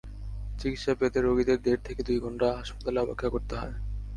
চিকিৎসা পেতে রোগীদের দেড় থেকে দুই ঘণ্টা হাসপাতালে অপেক্ষা করতে হয়।